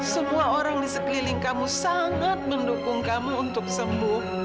semua orang di sekeliling kamu sangat mendukung kamu untuk sembuh